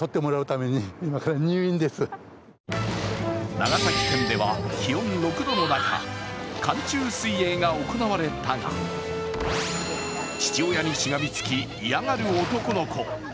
長崎県では気温６度の中、寒中水泳が行われたが、父親にしがみつき嫌がる男の子。